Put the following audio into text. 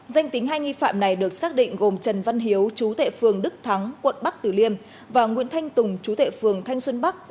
danh tính hai nghi phạm này được xác định gồm trần văn hiếu chú tệ phường đức thắng quận bắc tử liêm và nguyễn thanh tùng chú tệ phường thanh xuân bắc